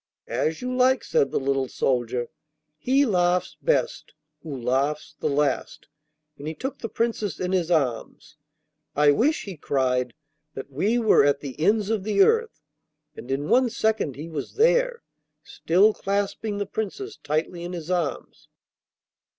'As you like,' said the little soldier. 'He laughs best who laughs the last;' and he took the Princess in his arms. 'I wish,' he cried, 'that we were at the ends of the earth;' and in one second he was there, still clasping the Princess tightly in his arms.